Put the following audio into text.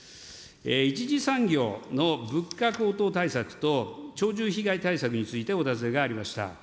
一次産業の物価高騰対策と、鳥獣被害対策についてお尋ねがありました。